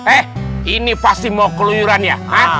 eh ini pasti mau keluyuran ya